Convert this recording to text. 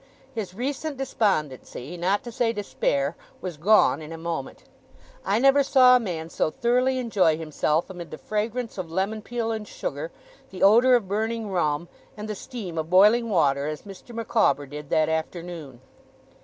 His recent despondency, not to say despair, was gone in a moment. I never saw a man so thoroughly enjoy himself amid the fragrance of lemon peel and sugar, the odour of burning rum, and the steam of boiling water, as Mr. Micawber did that afternoon.